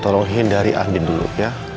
tolong hindari andi dulu ya